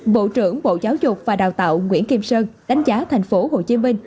bộ trưởng bộ giáo dục và đào tạo nguyễn kim sơn đánh giá thành phố hồ chí minh